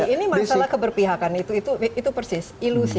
ini masalah keberpihakan itu itu itu persis ilusi